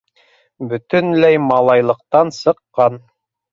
Бөтөнләй малайлыҡтан сыҡҡан.